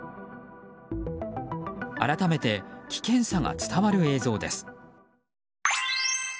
改めて危険さが伝わる映像です。